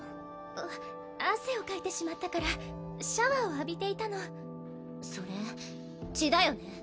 あ汗をかいてしまったからシャワーを浴びていたのそれ血だよね？